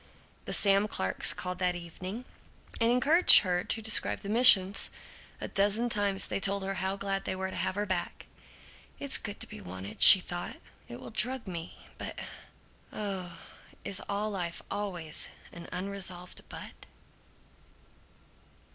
The Sam Clarks called that evening and encouraged her to describe the missions. A dozen times they told her how glad they were to have her back. "It is good to be wanted," she thought. "It will drug me. But Oh, is all life, always, an unresolved But?"